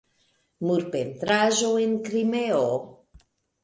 Murpentraĵo en Krimeo.